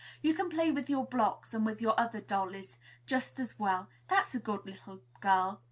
You can play with your blocks, and with your other dollies, just as well; that's a good little girl."